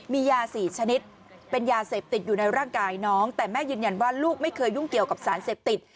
มียา๔ชนิดเป็นยาเสพติดอยู่ในร่างกายน้องแต่แม่ยืนยันว่าลูกไม่เคยยุ่งเกี่ยวกับสารเสพติด